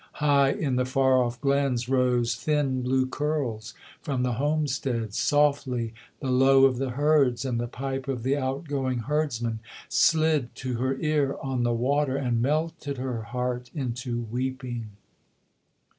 High in the far off glens rose thin blue curls from the homesteads; Softly the low of the herds, and the pipe of the outgoing herdsman, Slid to her ear on the water, and melted her heart into weeping.